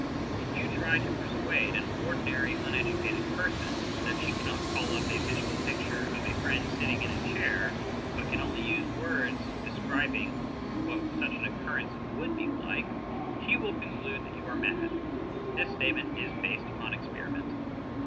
If you try to persuade an ordinary uneducated person that she cannot call up a visual picture of a friend sitting in a chair, but can only use words describing what such an occurrence would be like, she will conclude that you are mad. (This statement is based upon experiment.)